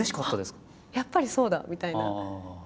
あっやっぱりそうだみたいな。